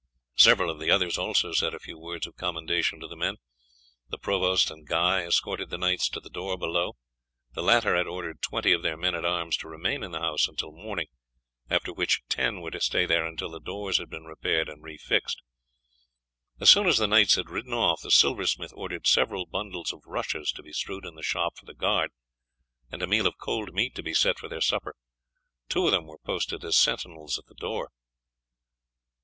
Several of the others also said a few words of commendation to the men. The provost and Guy escorted the knights to the door below. The latter had ordered twenty of their men at arms to remain in the house until morning, after which ten were to stay there until the doors had been repaired and refixed. As soon as the knights had ridden off the silversmith ordered several bundles of rushes to be strewn in the shop for the guard, and a meal of cold meat to be set for their supper. Two of them were posted as sentinels at the door.